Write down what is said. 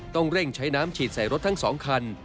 ต้องเร่งใช้น้ำฉีดใส่รถทั้ง๒คัน